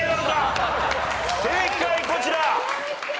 正解こちら！